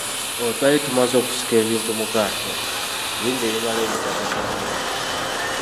Olwo twali tumaze okusiika ebintu mu kaato, bingi ebimala ebitaakasaanyeewo.